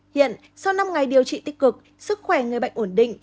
hiện sau năm ngày điều trị tích cực sức khỏe người bệnh ổn định